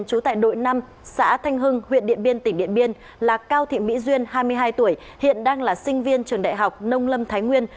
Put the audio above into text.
trú tại đội năm xã thanh hưng huyện điện biên tỉnh điện biên là cao thị mỹ duyên hai mươi hai tuổi hiện đang là sinh viên trường đại học nông lâm thái nguyên